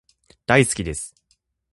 大好きです